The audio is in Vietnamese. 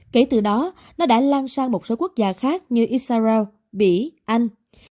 kể từ đó nó đã lan sang một số quốc gia khác như israel bỉ anh